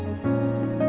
nah minging ya